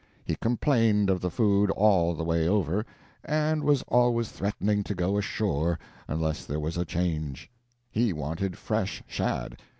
He complained of the food all the way over, and was always threatening to go ashore unless there was a change. He wanted fresh shad.